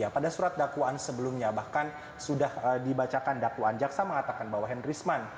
pada surat dakwaan sebelumnya bahkan sudah dibacakan dakwaan jaksa mengatakan bahwa henrisman